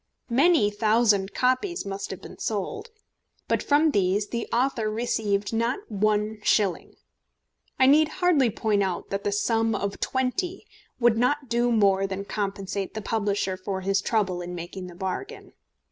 Many thousand copies must have been sold. But from these the author received not one shilling. I need hardly point out that the sum of £20 would not do more than compensate the publisher for his trouble in making the bargain.